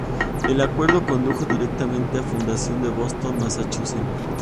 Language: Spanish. El acuerdo condujo directamente a la fundación de Boston, Massachusetts.